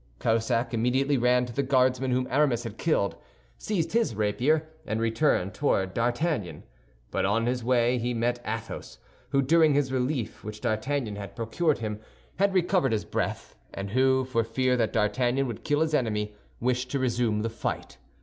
Cahusac immediately ran to the Guardsman whom Aramis had killed, seized his rapier, and returned toward D'Artagnan; but on his way he met Athos, who during his relief which D'Artagnan had procured him had recovered his breath, and who, for fear that D'Artagnan would kill his enemy, wished to resume the fight.